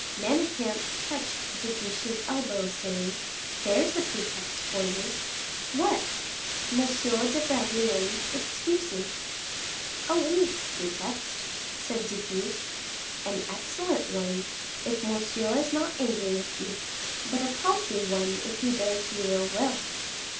Manicamp touched De Guiche's elbow, saying, "There's a pretext for you." "What?" "M. de Bragelonne's excuses." "A weak pretext," said De Guiche. "An excellent one, if Monsieur is not angry with you; but a paltry one if he bears you ill will."